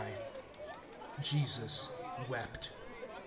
(35)Jesus wept.